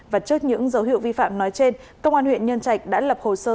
và trước những dấu hiệu vi phạm nói trên công an huyện nhân trạch đã lập hồ sơ